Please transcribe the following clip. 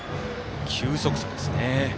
球速差ですね。